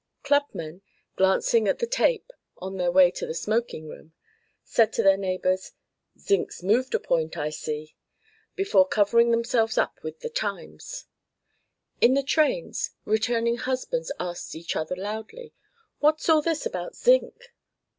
Clubmen, glancing at the tape on their way to the smoking room, said to their neighbours, "Zinc's moved a point, I see," before covering themselves up with the Times. In the trains, returning husbands asked each other loudly, "What's all this about zinc?"